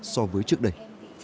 so với trước đây